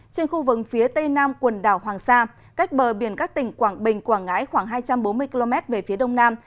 trên khu vực phía tây nam quần đảo hoàng sa cách bờ biển các tỉnh quảng bình quảng ngãi khoảng hai trăm bốn mươi km về phía đông nam